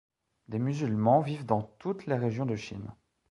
Des musulmans vivent dans toutes les régions de Chine.